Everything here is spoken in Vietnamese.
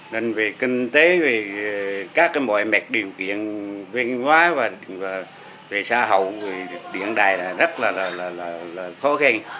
nên về kinh tế các mọi mẹ điều kiện viên hóa xã hậu điện đài rất là khó khăn